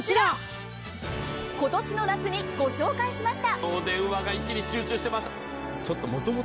今年の夏にご紹介しました。